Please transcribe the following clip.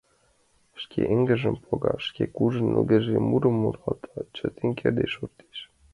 Шке эҥыжым пога, шке кужу, ныжылге мурым муралта, чытен кертде шортеш...